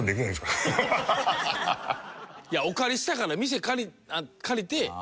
いやお借りしたから店借りて。